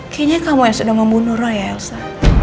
kayaknya kamu yang sudah membunuh roy ya elsa